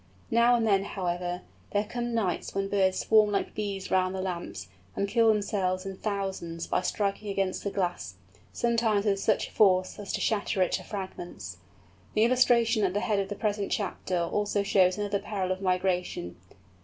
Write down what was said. Now and then, however, there come nights when birds swarm like bees round the lamps, and kill themselves in thousands by striking against the glass, sometimes with such force as to shatter it to fragments. The illustration at the head of the present chapter also shows another peril of migration.